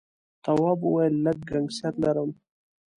تواب وويل: لږ گنگسیت لرم.